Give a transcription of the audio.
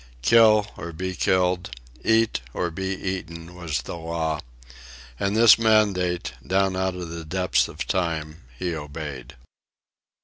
Kill or be killed, eat or be eaten, was the law; and this mandate, down out of the depths of Time, he obeyed.